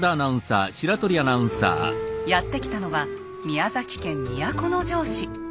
やって来たのは宮崎県都城市。